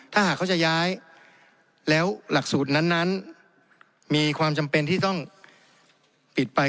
ถ้าหากเขาจะย้ายแล้วหลักสูตรนั้นมีความจำเป็นที่ต้องปิดไป